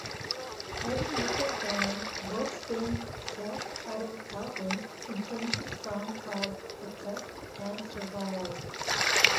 Heavy metal band Wolfsbane's self-titled album contains a song called Protect and Survive.